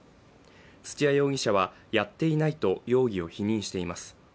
土屋容疑者はやっていないと容疑を否認しています。